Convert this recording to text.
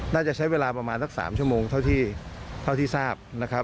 น่าจะใช้เวลาประมาณสัก๓ชั่วโมงเท่าที่ทราบนะครับ